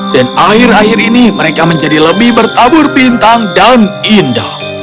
dan akhir akhir ini mereka menjadi lebih bertabur bintang dan indah